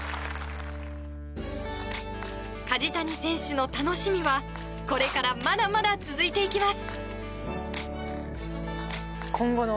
梶谷選手の楽しみはこれからまだまだ続いていきます。